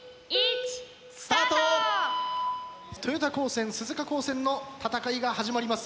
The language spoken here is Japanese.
（菊田豊田高専鈴鹿高専の戦いが始まります。